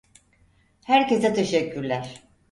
Herkese teşekkürler.